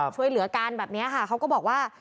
ช่วยเหลือกันแบบนี้ค่ะเขาก็บอกว่า